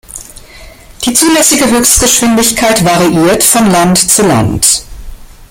Die zulässige Höchstgeschwindigkeit variiert von Land zu Land.